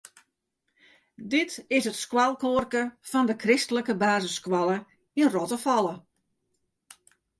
Dit is it skoalkoarke fan de kristlike basisskoalle yn Rottefalle.